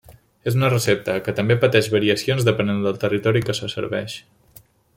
És una recepta, que també pateix variacions depenent del territori que se serveix.